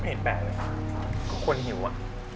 ไม่แปลกเลยค่ะก็คนหิวอะ